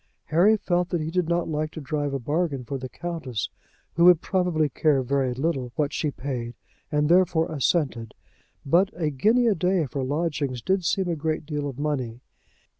Harry felt that he did not like to drive a bargain for the Countess, who would probably care very little what she paid, and therefore assented. But a guinea a day for lodgings did seem a great deal of money.